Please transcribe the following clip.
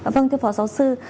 vâng thưa phó giáo sư